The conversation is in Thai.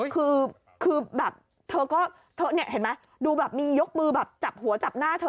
คือแบบเธอก็เธอเนี่ยเห็นไหมดูแบบมียกมือแบบจับหัวจับหน้าเธอ